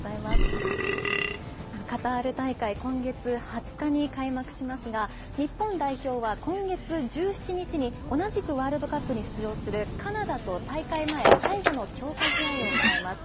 カタール大会、今月２０日に開幕しますが、日本代表は今月１７日に同じくワールドカップに出場するカナダと大会前最後の強化試合を行います。